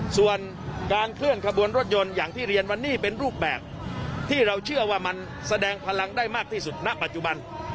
ส่วนการเคลื่อนขบวนรถยนต์อย่างที่เรียนวันนี้เป็นรูปแบบที่เราเชื่อว่ามันแสดงพลังได้มากที่สุดณปัจจุบัน